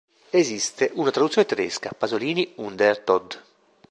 Esiste una traduzione tedesca: "Pasolini und der Tod.